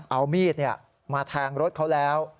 เอามีดมาแทงรถเขาแล้ว